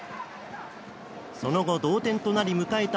その後、同点となり迎えた